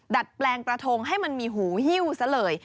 ดัดแปลงกระทงให้มันมีหูหิ้วซะเลย